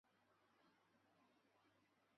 这里没有限制必须使用多少记忆体空间。